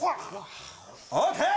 ＯＫ！